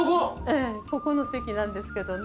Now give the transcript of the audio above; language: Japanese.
ええここの席なんですけどね。